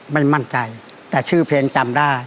ไม่มั่นใจแต่ชื่อเพลงจำได้